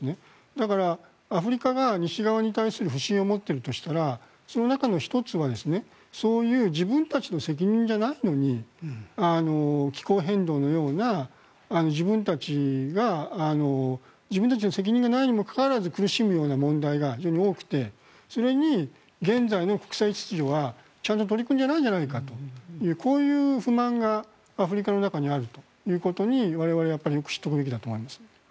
だから、アフリカが西側に対する不信を持っているとしたらその中の１つは、そういう自分たちの責任じゃないのに気候変動のような自分たちの責任がないにもかかわらず苦しむような問題が非常に多くてそれに現在の国際秩序がちゃんと取り組んでいないじゃないかというこういう不満がアフリカの中にあるということに我々はよく知っておくべきだと思います。